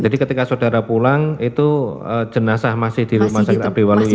jadi ketika saudara pulang itu jenazah masih di rumah sakit abdiwaluyo ya